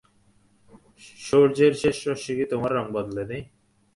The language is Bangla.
সূর্যের শেষ রশ্মি কি তোমার রঙ বদলে দেয়?